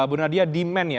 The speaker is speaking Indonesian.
bu nadia demand ya